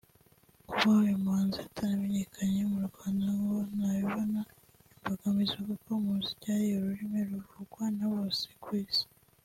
Kuba uyu muhanzi ataramenyekana mu Rwanda ngo ntabibonamo imbogamizi kuko umuziki ari ururimi ruvugwa na bose ku Isi